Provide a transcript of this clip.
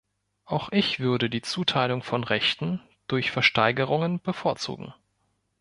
Auch ich würde die Zuteilung von Rechten durch Versteigerungen bevorzugen.